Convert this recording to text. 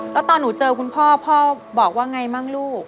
แล้วตอนหนูเจอคุณพ่อพ่อบอกว่าไงบ้างลูก